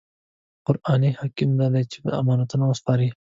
قرآني حکم دا دی چې امانتونه وسپارئ.